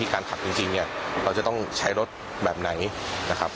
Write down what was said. การขับจริงเนี่ยเราจะต้องใช้รถแบบไหนนะครับ